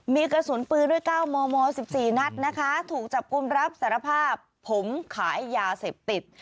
มีกระสุนปืนด้วย๙มม๑๔นัดนะคะถูกจับกลุ่มรับสารภาพผมขายยาเสพติด